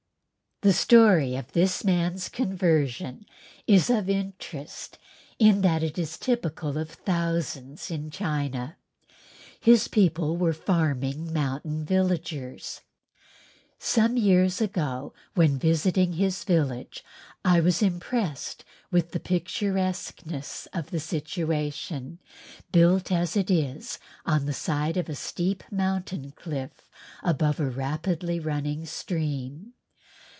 The story of this man's conversion is of interest in that it is typical of thousands in China. His people were farming mountain villagers. Some years ago when visiting his village I was impressed with the picturesqueness of the situation, built as it is on the side of a steep mountain cliff above a rapidly running stream.